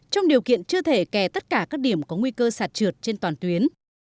trong điều kiện chưa thể kè tất cả các điểm có nguy cơ sạt trượt trên toàn tuyến